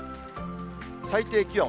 最低気温。